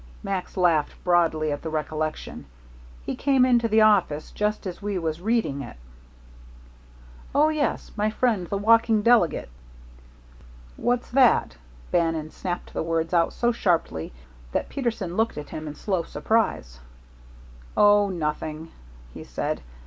Max laughed broadly at the recollection. "He came into the office just as we was reading it." "Oh, yes. My friend, the walking delegate." "What's that?" Bannon snapped the words out so sharply that Peterson looked at him in slow surprise. "Oh, nothing," he said.